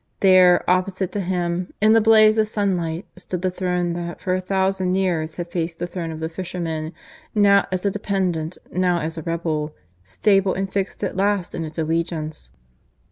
There, opposite to him, in the blaze of sunlight, stood the throne that for a thousand years had faced the throne of the Fisherman, now as a dependant, now as a rebel stable and fixed at last in its allegiance.